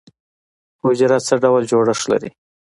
حجره څه ډول جوړښت لري؟